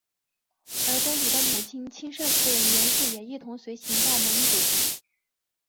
而公主的母亲钦圣夫人袁氏也一同随行到蒙古。